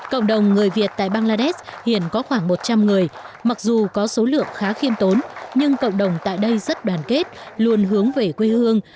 cộng đồng người việt tại bangladesh hiện có khoảng một trăm linh người mặc dù có số lượng khá khiêm tốn nhưng cộng đồng tại đây rất đoàn kết luôn hướng về quê hương